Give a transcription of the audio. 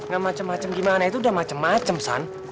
gak macem macem gimana itu udah macem macem san